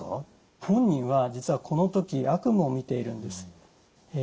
本人は実はこの時悪夢をみているんです。